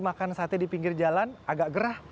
makan sate di pinggir jalan agak gerah